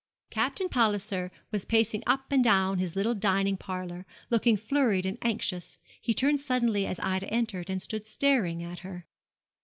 Captain Palliser was pacing up and down his little dining parlour, looking flurried and anxious. He turned suddenly as Ida entered, and stood staring at her.